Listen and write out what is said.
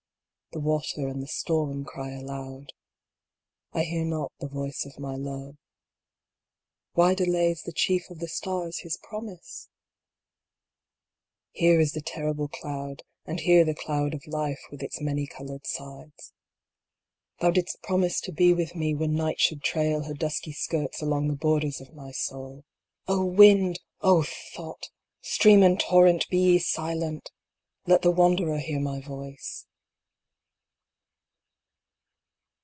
The water and the storm cry aloud. I hear not the voice of my Love. Why delays the chief of the stars his promise ? Here is the terrible cloud, and here the cloud of life with its many colored sides. BATTLE OF THE STARS. 41 Thou didst promise to be with me when night should trail her dusky skirts along the borders of my soul. wind ! O thought ! Stream and torrent, be ye silent ! Let the wanderer hear my voice.